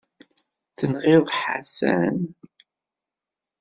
Tenɣiḍ Ḥasan?